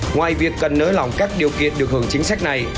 ngoài việc cần nới lỏng các điều kiện được hưởng chính sách này